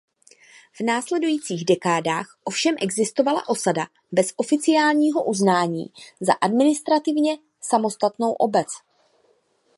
V následujících dekádách ovšem existovala osada bez oficiálního uznání za administrativně samostatnou obec.